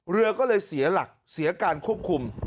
เรือก็เลยเสียหลักเสียการควบคุม